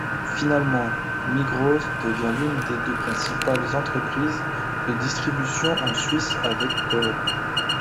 Finalement, Migros devient l'une des deux principales entreprises de distribution en Suisse avec Coop.